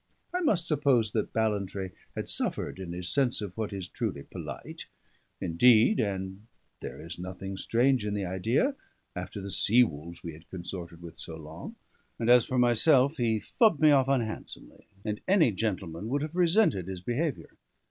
I must suppose that Ballantrae had suffered in his sense of what is truly polite; indeed, and there is nothing strange in the idea, after the sea wolves we had consorted with so long; and as for myself, he fubbed me off unhandsomely, and any gentleman would have resented his behaviour.